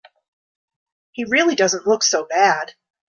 He really doesn't look so bad.